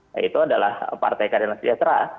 yaitu adalah partai keadilan sejahtera